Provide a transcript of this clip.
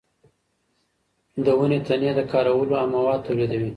د ونو تنې د کارولو مواد تولیدوي.